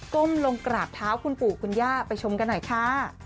้มลงกราบเท้าคุณปู่คุณย่าไปชมกันหน่อยค่ะ